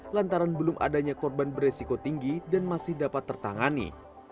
lantaran belum adanya korban beresiko tinggi dan masih dapat tertangani